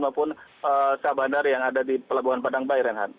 maupun sahabat bandar yang ada di pelabuhan padang bayi reinhardt